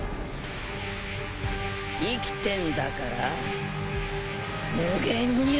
生きてんだから無限にあんだろ！